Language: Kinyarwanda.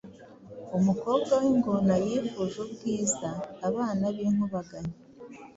Umukobwa w’ingona”Yifuje ubwiza”Abana b’inkubaganyi